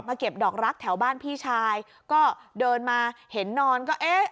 เก็บดอกรักแถวบ้านพี่ชายก็เดินมาเห็นนอนก็เอ๊ะ